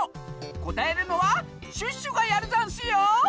こたえるのはシュッシュがやるざんすよ！